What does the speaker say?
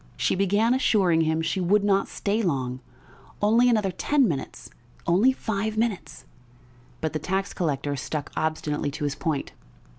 She began assuring him she would not stay long, only another ten minutes, only five minutes; but the tax collector stuck obstinately to his point.